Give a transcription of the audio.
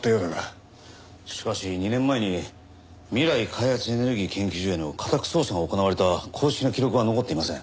しかし２年前に未来開発エネルギー研究所への家宅捜査が行われた公式な記録は残っていません。